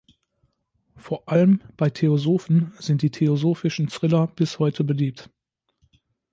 Vor allem bei Theosophen sind die "theosophischen Thriller" bis heute beliebt.